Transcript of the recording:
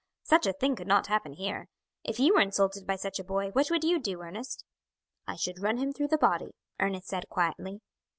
Such a thing could not happen here. If you were insulted by such a boy, what would you do, Ernest?" "I should run him through the body," Ernest said quietly.